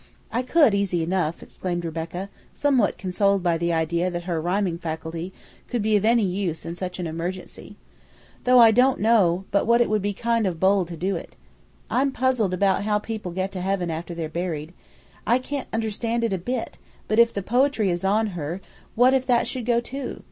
"I could, easy enough," exclaimed Rebecca, somewhat consoled by the idea that her rhyming faculty could be of any use in such an emergency. "Though I don't know but it would be kind of bold to do it. I'm all puzzled about how people get to heaven after they're buried. I can't understand it a bit; but if the poetry is on her, what if that should go, too?